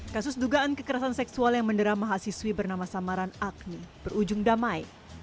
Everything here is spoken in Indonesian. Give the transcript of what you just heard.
kasus dugaan kekerasan seksual yang mendera mahasiswi bernama samaran agni berujung damai